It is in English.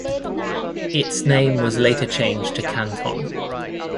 Its name was later changed to Canton.